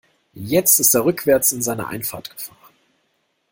Jetzt ist er rückwärts in seine Einfahrt gefahren.